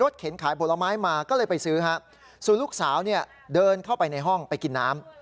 ส่วนลูกสาวเดินเข้าไปในห้องไปกินน้ำ